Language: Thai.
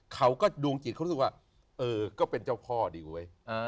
เขาก็ดวงจิตเขารู้สึกว่าเออก็เป็นเจ้าพ่อดีเว้ย